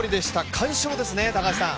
快勝ですね、高橋さん。